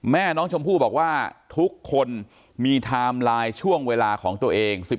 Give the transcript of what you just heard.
แม่น้องชมพู่บอกว่าทุกคนมีไทม์ไลน์ช่วงเวลาของตัวเอง